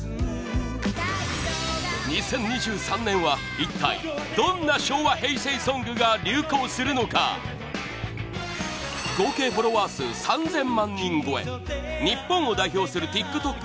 ２０２３年は一体どんな昭和平成ソングが流行するのか合計フォロワー数３０００万人超え日本を代表するＴｉｋＴｏｋ